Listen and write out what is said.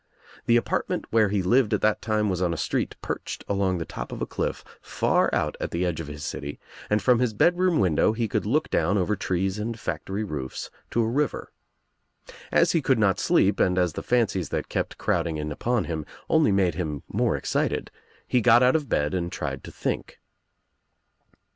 The apart ment where he lived at that time was on a street perched along the top of a cliff far out at the edge of his city, and from his bedroom window he could look down over trees and factory roofs to a river. As he could not sleep and as the fancies that kept crowd ing in upon him only made him more excited, he got out of bed and tried to think.